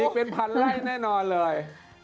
เป็นพันไล่แน่นอนเลย